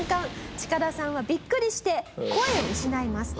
チカダさんはビックリして声を失います。